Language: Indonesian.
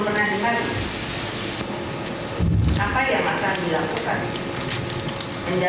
sebuah kebenarannya sepertinya alibar begitu saja